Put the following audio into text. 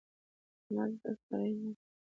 احمد بد سړی نه دی.